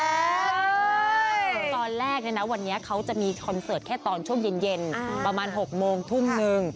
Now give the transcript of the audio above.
เอ่ยยยยตอนแรกนะวันนี้เค้าจะมีคอนเสิร์ตแค่ตอนช่วงเย็นเย็นประมาณหกโมงทุ่มนึง